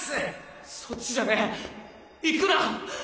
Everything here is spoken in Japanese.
そっちじゃねぇ行くな！